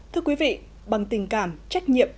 thưa quý vị bằng tình cảm trách nhiệm